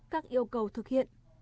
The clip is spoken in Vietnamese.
các yêu cầu thực hiện